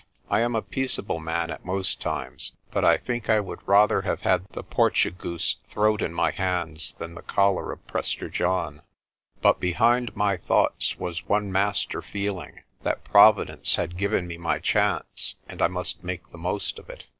I am a peaceable man at most times, but I think I would rather have had the 128 PRESTER JOHN Portugoose's throat in my hands than the collar of Prester John. But behind my thoughts was one master feeling, that Providence had given me my chance and I must make the most of it.